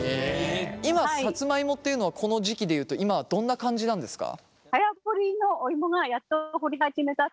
今さつまいもっていうのはこの時期で言うと今はどんな感じなんですか？